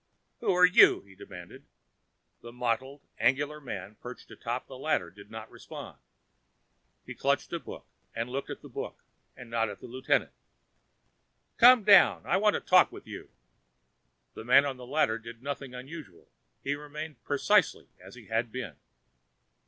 "Who are you?" he demanded. The mottled, angular man perched atop the ladder did not respond. He clutched a book and looked at the book and not at Lieutenant Peterson. "Come down I want to talk with you!" The man on the ladder did nothing unusual: he remained precisely as he had been.